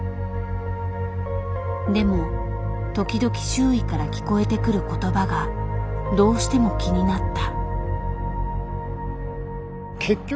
でも時々周囲から聞こえてくる言葉がどうしても気になった。